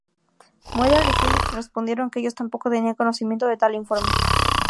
Mueller y Phillips respondieron que ellos tampoco tenían conocimiento de tal "informe".